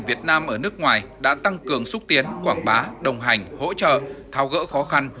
việt nam ở nước ngoài đã tăng cường xúc tiến quảng bá đồng hành hỗ trợ thao gỡ khó khăn